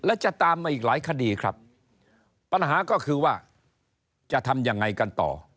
และจะตามมาอีกหลายคดีครับปัญหาก็คือว่าจะทำยังไงกันต่อ